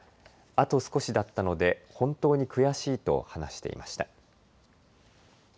あと少しだったので本当に悔しいと話していました。